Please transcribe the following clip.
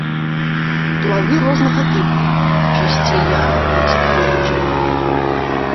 Плады рознага тыпу, часцей ягада ці каробачка.